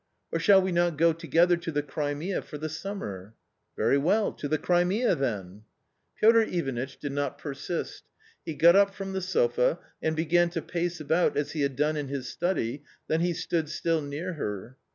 "Or shall we not go together to the Crimea for the summer?" " Very well, to the Crimea then." Piotr Ivanitch did not persist; he got up from the sofa, and began to pace about as he had done in his study, then he stood still near her.